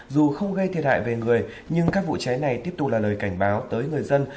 dù không gây thiệt hại về người nhưng các vụ cháy này tiếp tục là lời cảnh báo tới người dân